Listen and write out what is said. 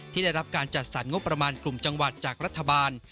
ได้รับการจัดสรรงบประมาณกลุ่มจังหวัดจากรัฐบาล